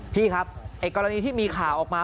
พี่ครับไอ้กรณีที่มีข่าวออกมา